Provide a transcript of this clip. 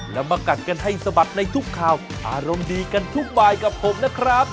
แล้วมากัดกันให้สะบัดในทุกข่าวอารมณ์ดีกันทุกบายกับผมนะครับ